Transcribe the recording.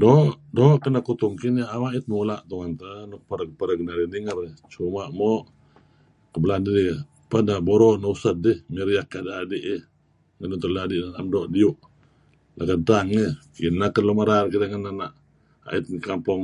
Doo', doo' keneh kutung kinih na'em a'it mula nuk pereg-pereg tu'en narih ninger, cuma' mo' kuh belaan deh ken buro neh useddih mey riyek adi'-adi, lun teluh anak adi' 'am doo' diyu', Kineh ken lun merar ngen ena' a'it ngi kampong.